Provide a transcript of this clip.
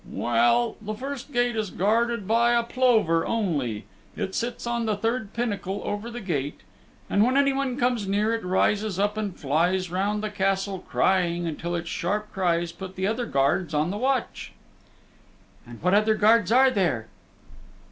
"Well, the first gate is guarded by a plover only. It sits on the third pinnacle over the gate, and when anyone comes near it rises up and flies round the Castle crying until its sharp cries put the other guards on the watch." "And what other guards are there?"